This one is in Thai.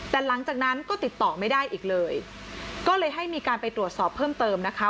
แต่หลังจากนั้นก็ติดต่อไม่ได้อีกเลยก็เลยให้มีการไปตรวจสอบเพิ่มเติมนะคะ